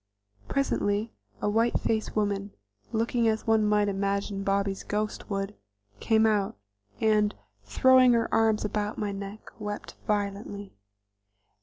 Presently a white faced woman, looking as one might imagine Bobby's ghost would, came out, and, throwing her arms about my neck, wept violently.